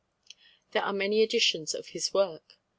There are many editions of his work.